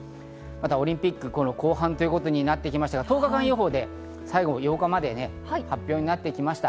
オリンピック後半ということになってきましたが、１０日間予報で、最後の８日まで発表になってきました。